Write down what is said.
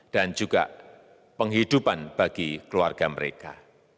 dan juga penghidupan bagi keluarga mereka